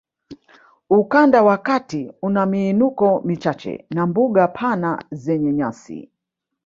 Ukanda wa kati una miinuko michache na mbuga pana zenye nyasi